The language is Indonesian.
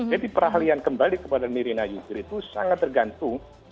jadi peralihan kembali kepada mirina yubir itu sangat tergantung